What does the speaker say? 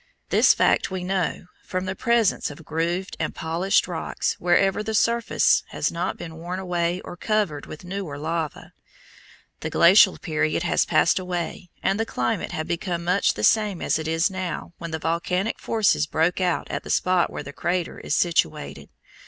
This fact we know from the presence of grooved and polished rocks wherever the surface has not been worn away or covered with newer lava. The Glacial period had passed away and the climate had become much the same as it now is when the volcanic forces broke out at the spot where the crater is situated.